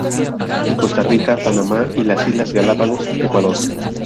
En Costa Rica, Panamá y las Islas Galápagos, Ecuador.